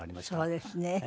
そうですね。